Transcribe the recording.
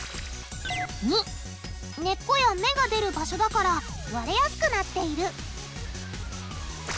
②根っこや芽が出る場所だから割れやすくなっている。